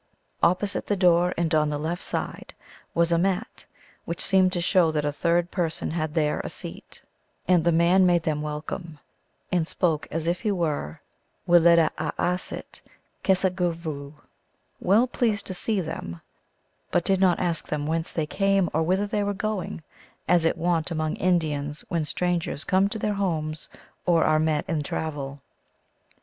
Opposite the door, and on the left side, was a mat, which seemed to show that a third person had there a seat. And the man made them welcome, and spoke as if he were weleda asit kesegvou (M.) well pleased to see them, but did not ask them whence they came or whither they were going, as is wont among Indians when strangers come to their homes or are met in travel.